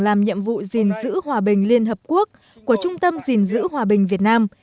làm nhiệm vụ dình dữ hòa bình liên hợp quốc của trung tâm dình dữ hòa bình việt nam